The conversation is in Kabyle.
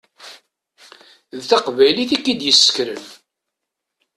D taqbaylit i k-id-yessekren.